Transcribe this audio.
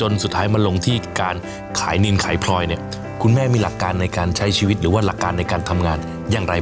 มุ่งมันเนี่ยจะต้องทำให้ได้